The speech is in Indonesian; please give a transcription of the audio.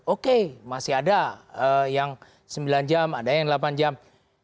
oke masih ada yang sembilan jam ada yang delapan jam